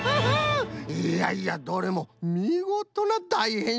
いやいやどれもみごとなだいへんしんじゃったな。